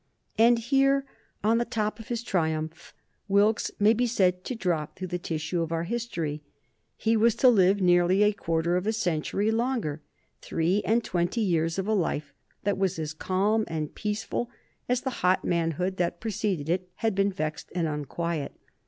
And here, on the top of his triumph, Wilkes may be said to drop through the tissue of our history. He was to live nearly a quarter of a century longer, three and twenty years of a life that was as calm and peaceful as the hot manhood that preceded it had been vexed and unquiet.